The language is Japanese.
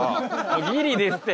ギリですって！